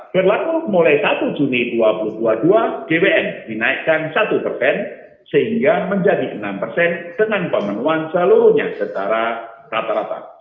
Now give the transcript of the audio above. berlaku mulai satu juni dua ribu dua puluh dua gwm dinaikkan satu persen sehingga menjadi enam persen dengan pemenuhan seluruhnya secara rata rata